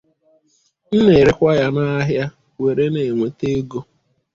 m na-erekwa ya n’ahịa were na-enweta ego